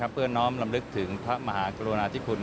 เพื่อน้อมลำลึกถึงพระมหากรุณาธิคุณ